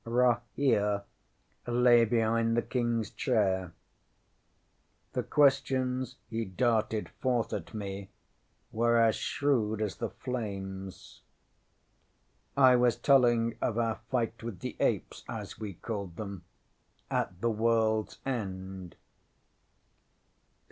ŌĆśRahere lay behind the KingŌĆÖs chair. The questions he darted forth at me were as shrewd as the flames. I was telling of our fight with the apes, as ye called them, at the worldŌĆÖs end.